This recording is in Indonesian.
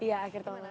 iya akhir tahun lalu